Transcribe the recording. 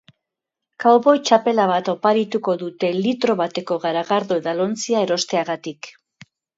Cowboy txapela bat oparituko dute litro bateko garagardo edalontzia erosteagatik.